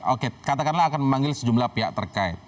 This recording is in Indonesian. oke katakanlah akan memanggil sejumlah pihak terkait